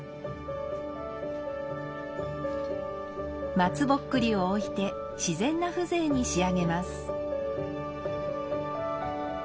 松ぼっくりを置いて自然な風情に仕上げます。